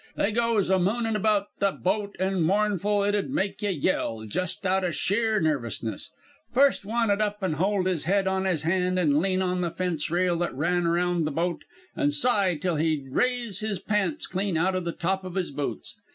They goes a moonin' about the boat that mournful it 'ud make you yell jus' out o' sheer nervousness. First one 'ud up an' hold his head on his hand an' lean on the fence rail that ran around the boat, and sigh till he'd raise his pants clean outa the top o' his boots.